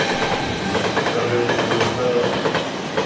ビビって誰も対応したがらないんだ。